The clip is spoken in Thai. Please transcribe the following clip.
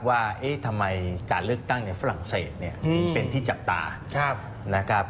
ว่าทำไมการเลือกตั้งในฝรั่งเศสเนี่ยถึงเป็นที่จับตานะครับ